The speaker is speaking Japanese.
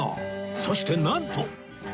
そしてなんと！